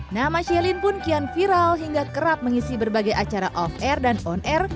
nama shielin pun kian viral hingga kerap mengisi berbagai acara off air dan on air